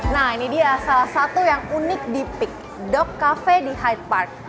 nah ini dia salah satu yang unik di peak dog cafe di hyde park